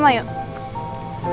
kaki yang kiri ada